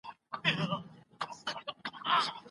ایا په سهار کي د پیاز او هګۍ ترکیب یو ښه خوراک دی؟